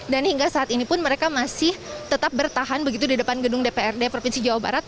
dan hingga saat ini pun mereka masih tetap bertahan begitu di depan gedung dprd provinsi jawa barat